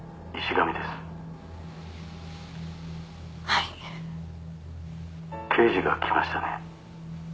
はい刑事が来ましたね